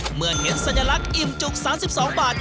เมื่อเห็นสัญลักษณ์อิ่มจุก๓๒บาท